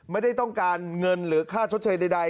ไม่ได้ต้องการเงินหรือค่าชดเชยใด